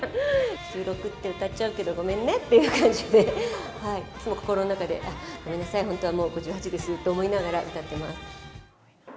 １６って歌っちゃうけどごめんねって感じで、いつも心の中で、あっ、ごめんなさい、本当は５８ですと思いながら歌ってます。